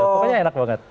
pokoknya enak banget